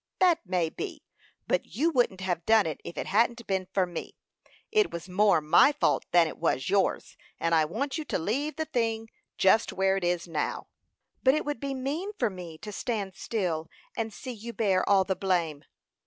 "That may be; but you wouldn't have done it if it hadn't been for me. It was more my fault than it was yours; and I want you to leave the thing just where it is now." "But it would be mean for me to stand still, and see you bear all the blame."